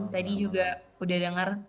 tadi juga sudah dengar